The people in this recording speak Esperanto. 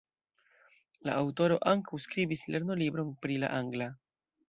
La aŭtoro ankaŭ skribis lernolibron pri la angla.